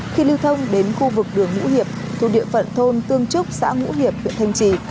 khi lưu thông đến khu vực đường ngũ hiệp thuộc địa phận thôn tương trúc xã ngũ hiệp huyện thanh trì